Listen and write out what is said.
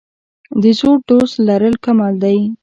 د زوړ دوست لرل کمال دی.